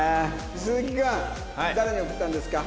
鈴木君誰に送ったんですか？